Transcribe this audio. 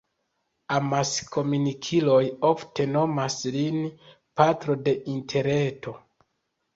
Amaskomunikiloj ofte nomas lin «patro de Interreto».